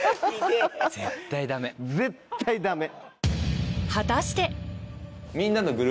絶対ダメ。